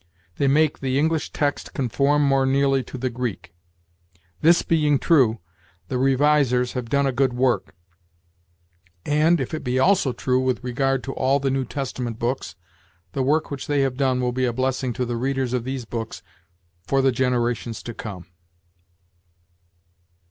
They make the English text conform more nearly to the Greek. This being true, the revisers have done a good work; and, if it be also true with regard to all the New Testament books, the work which they have done will be a blessing to the readers of these books for the generations to come."